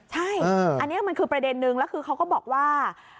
ใช่อันนี้มันคือประเด็นนึงแล้วคือเขาก็บอกว่า